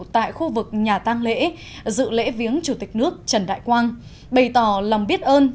tại khu vực nhà tăng lễ dự lễ viếng chủ tịch nước trần đại quang bày tỏ lòng biết ơn